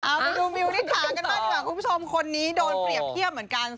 เอาไปดูมิวนิษฐากันบ้างดีกว่าคุณผู้ชมคนนี้โดนเปรียบเทียบเหมือนกัน